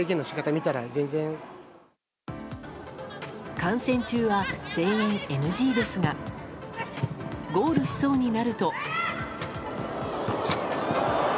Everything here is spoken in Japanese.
観戦中は声援ＮＧですがゴールしそうになると。